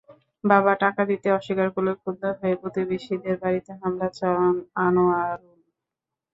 বাবা টাকা দিতে অস্বীকার করলে ক্ষুব্ধ হয়ে প্রতিবেশীদের বাড়িতে হামলা চালান আনোয়ারুল।